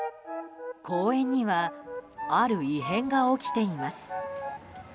公園にはある異変が起きています。